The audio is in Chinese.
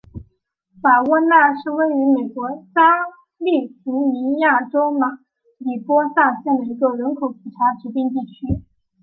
瓦沃纳是位于美国加利福尼亚州马里波萨县的一个人口普查指定地区。